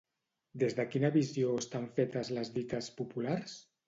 Des de quina visió estan fetes les dites populars?